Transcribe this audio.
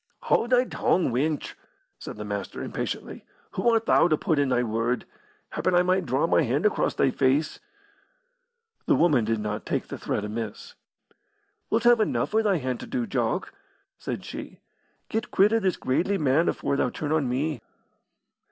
"Haud thy tongue, wench!" said the Master, impatiently. "Who art thou to put in thy word? Happen I might draw my hand across thy face." The woman did not take the threat amiss. "Wilt have enough for thy hand to do, Jock," said she. "Get quit o' this gradely man afore thou turn on me."